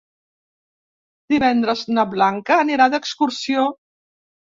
Divendres na Blanca anirà d'excursió.